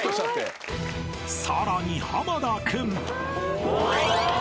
［さらに濱田君］